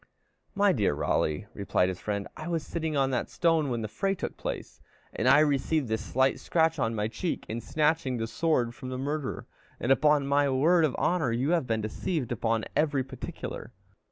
"My dear Raleigh," replied his friend, "I was sitting on that stone when the fray took place, and I received this slight scratch on my cheek in snatching the sword from the murderer; and upon my word of honor, you have been deceived upon every particular."